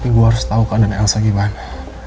tapi gue harus tau keadaan elsa gimana